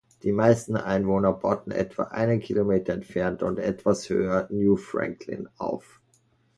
Die meisten Einwohner bauten etwa einen Kilometer entfernt und etwas höher New Franklin auf.